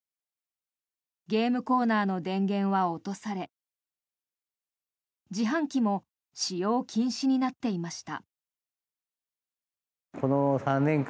ゲームコーナーの電源は落とされ自販機も使用禁止になっていました。